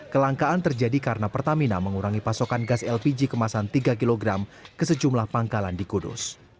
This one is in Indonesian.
kelangkaan terjadi karena pertamina mengurangi pasokan gas lpg kemasan tiga kg ke sejumlah pangkalan di kudus